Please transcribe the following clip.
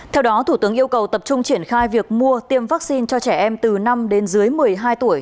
theo đó thủ tướng yêu cầu tập trung triển khai việc mua tiêm vaccine cho trẻ em từ năm đến dưới một mươi hai tuổi